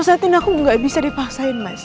sosatin aku gak bisa dipaksain mas